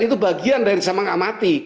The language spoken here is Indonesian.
itu bagian dari saya mengamati